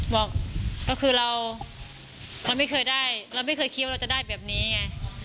บอกก็คือเรามันไม่เคยได้เราไม่เคยคิดว่าเราจะได้แบบนี้ไง